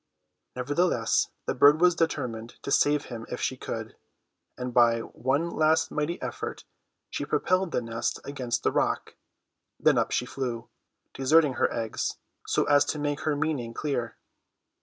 Nevertheless the bird was determined to save him if she could, and by one last mighty effort she propelled the nest against the rock. Then up she flew; deserting her eggs, so as to make her meaning clear.